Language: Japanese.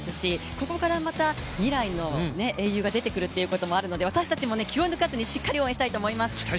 ここからまた、未来の英雄が出てくることもあると思うので私たちも気を抜かずにしっかりと応援したいと思います。